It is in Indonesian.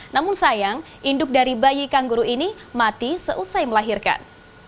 namun sayang induk dari bayi kangguru ini mati seusai melahirkan